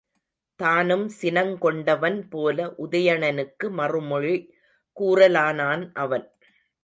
தானும் சினங்கொண்டவன்போல உதயணனுக்கு மறுமொழி கூறலானான் அவன்.